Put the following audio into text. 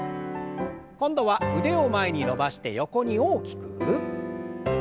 今度は腕を前に伸ばして横に大きく。